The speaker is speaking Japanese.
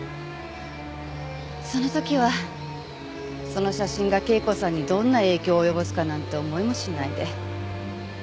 その時はその写真が圭子さんにどんな影響を及ぼすかなんて思いもしないで。